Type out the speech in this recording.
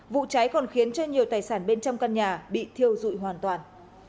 vụ cháy còn khiến cho nhiều tài sản bên trong căn nhà bị thiêu dụi hoàn toàn